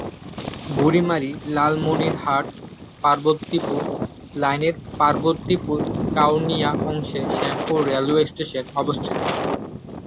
বুড়ীমারি-লালমনিরহাট-পার্বতীপুর লাইনের পার্বতীপুর-কাউনিয়া অংশে Shyampur railway station অবস্থিত।